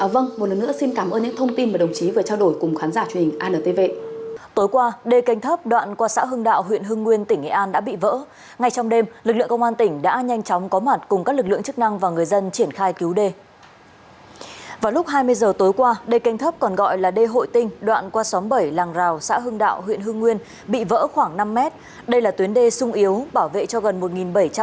vâng một lần nữa xin cảm ơn những thông tin mà đồng chí vừa trao đổi cùng khán giả truyền hình